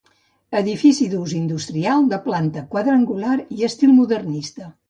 Edifici d'ús industrial de planta quadrangular i estil modernista.